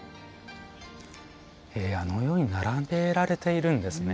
あのように並べられているんですね。